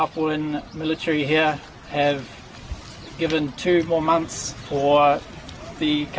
kementerian luar negeri di sini telah memberikan dua bulan lagi